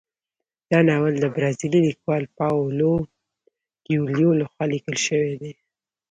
دا ناول د برازیلي لیکوال پاولو کویلیو لخوا لیکل شوی دی.